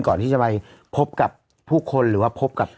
ก่อนที่จะไปพบกับผู้คนหรือว่าพบกับ